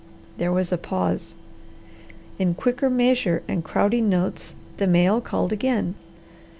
There was a pause. In quicker measure and crowding notes the male called again.